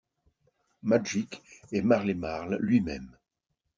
Magic et Marley Marl lui-même.